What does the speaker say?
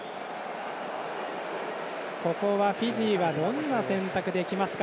ここは、フィジーはどんな選択できますか。